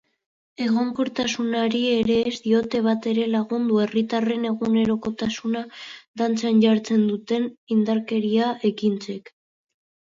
Egonkortasunari ere ez diote batere lagundu herritarren egunerokotasuna dantzan jartzen duten indarkeria ekintzek.